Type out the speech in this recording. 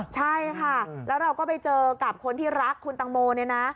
ใช่ค่ะแล้วเราก็ไปเจอกับคนที่รักคุณตังโมเนี่ยนะ